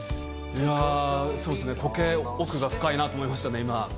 いやー、そうですね、コケ、奥が深いなと思いましたね、今。